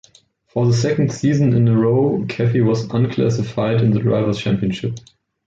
For the second season in a row Caffi was unclassified in the Drivers' Championship.